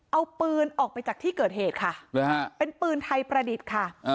เอาปืนออกไปจากที่เกิดเหตุค่ะเป็นปืนไทยประดิษฐ์ค่ะ